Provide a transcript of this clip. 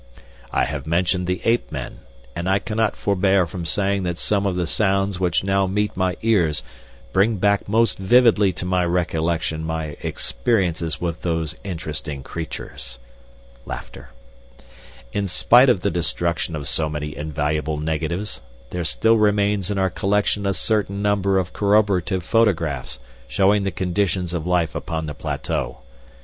'I have mentioned the ape men, and I cannot forbear from saying that some of the sounds which now meet my ears bring back most vividly to my recollection my experiences with those interesting creatures.' 'In spite of the destruction of so many invaluable negatives, there still remains in our collection a certain number of corroborative photographs showing the conditions of life upon the plateau.